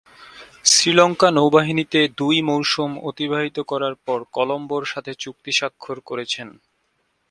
শ্রীলঙ্কা নৌবাহিনীতে দুই মৌসুম অতিবাহিত করার পর কলম্বোর সাথে চুক্তি স্বাক্ষর করেছেন।